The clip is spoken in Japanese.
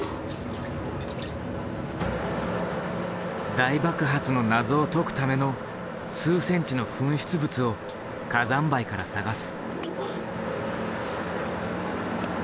大爆発の謎を解くための数センチの噴出物を火山灰から探す。